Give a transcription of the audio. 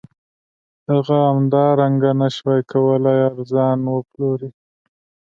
هغه همدارنګه نشوای کولی ارزان وپلوري